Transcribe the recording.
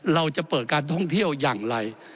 เราจะเปิดการท่องเที่ยวอย่างไร